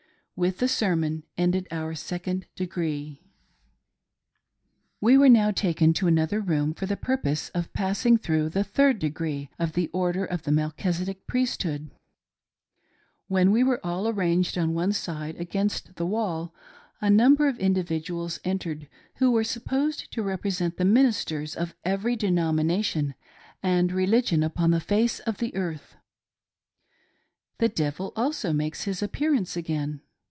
With the sermon ended our " Second Degree." We were now taken to another room for the purpose of pas Sing through the " Third Degree " of the Order of the Mel chisedec Priesthood. When we were all arranged on one side against the wall, a number of individuals entered who werg supposed to represent the ministers of every denomination and religion upon the face of the earth. The devil also makes his appearance again.